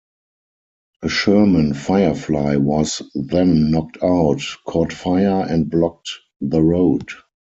A Sherman Firefly was then knocked out, caught fire and blocked the road.